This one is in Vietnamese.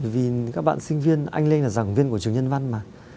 vì các bạn sinh viên anh lên là giảng viên của trường nhân văn mà